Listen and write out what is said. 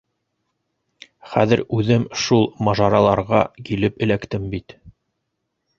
Хәҙер үҙем шул мажараларға килеп эләктем бит!